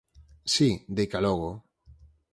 Si, deica logo.